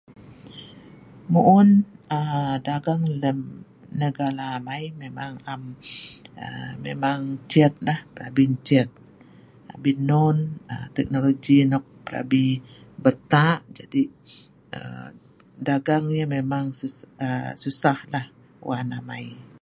mu'un um dagang um lem negala amai memang um ncet nah plabi ncet abin non teknologi nok plabi bel'ta', jadi aa dagang yah memang um su um susah nah wan amai